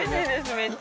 めっちゃ。